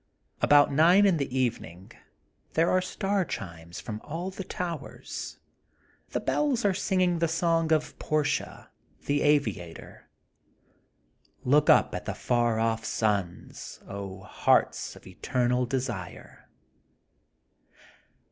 About nine in the evening, there are star chimes from all the towers. The bells are singing the song of Portia, the aviator: — *'Look up at the far off suns. Oh hearts of eternal desire."